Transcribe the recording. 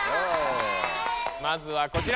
まずはこちら。